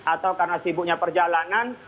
atau karena sibuknya perjalanan